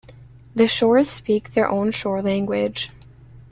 The Shors speak their own Shor language.